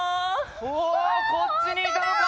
おこっちにいたのか！